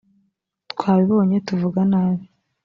twabibonye, tuvuga nabi